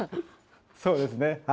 そうですね。